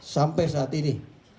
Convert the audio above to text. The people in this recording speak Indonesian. sampai saat ini